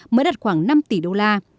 mới đặt khoảng năm tỷ đô la